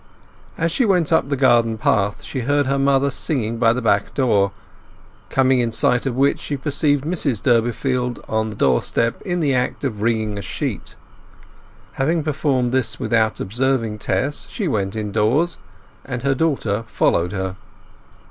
As she went up the garden path she heard her mother singing by the back door, coming in sight of which she perceived Mrs Durbeyfield on the doorstep in the act of wringing a sheet. Having performed this without observing Tess, she went indoors, and her daughter followed her.